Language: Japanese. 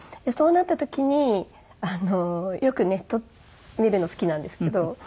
そうなった時によくネット見るの好きなんですけど。